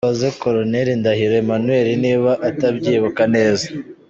Azabaze Colonel Ndahiro Emmanuel niba atabyibuka neza.